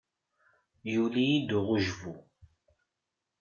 Yuli-yi-d uɣujbu.